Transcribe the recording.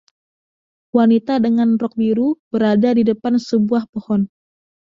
Wanita dengan rok biru berada di depan sebuah pohon